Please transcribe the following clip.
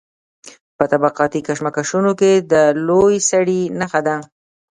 په طبقاتي کشمکشونو کې د لوی سړي نښه ده.